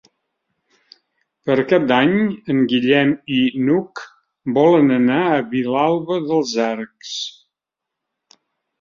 Per Cap d'Any en Guillem i n'Hug volen anar a Vilalba dels Arcs.